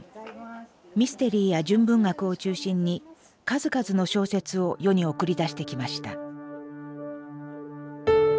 ミステリーや純文学を中心に数々の小説を世に送り出してきました。